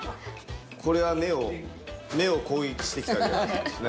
これは目を目を攻撃して来たりはしないですか？